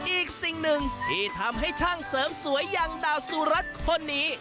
อีกสิ่งหนึ่งที่ทำให้ช่างเสริมสวยอย่างดาวสุรัตน์คนนี้